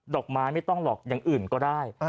อกไม้ไม่ต้องหรอกอย่างอื่นก็ได้